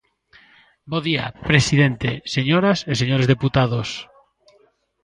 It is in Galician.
Bo día, presidente, señoras e señores deputados.